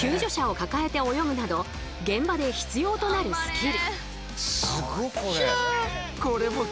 救助者を抱えて泳ぐなど現場で必要となるスキル。